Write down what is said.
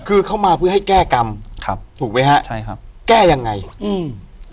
คือเข้ามาเพื่อให้แก้กรรมครับถูกไหมฮะใช่ครับแก้ยังไงอืม